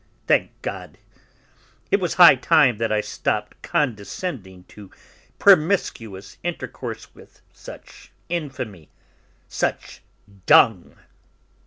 Thank God, it was high time that I stopped condescending to promiscuous intercourse with such infamy, such dung."